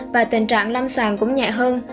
và tình trạng lâm sàng cũng nhẹ hơn